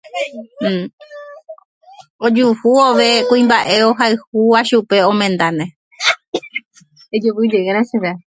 Ojuhu vove kuimba'e ohayhúva chupe omendáne.